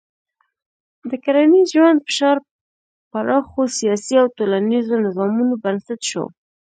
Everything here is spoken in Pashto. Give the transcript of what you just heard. د کرنیز ژوند فشار پراخو سیاسي او ټولنیزو نظامونو بنسټ شو.